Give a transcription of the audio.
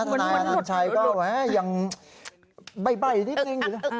ท่านนายอาหารชัยก็แหละยังใบนิดนึง